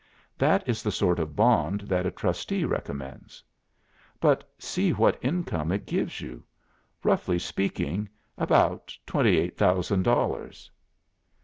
That is the sort of bond that a trustee recommends. But see what income it gives you. Roughly speaking, about twenty eight thousand dollars.